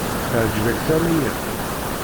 Teɛǧeb-ak tiɣmi-ya?